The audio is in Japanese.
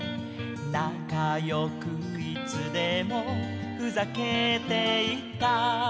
「なかよくいつでもふざけていた」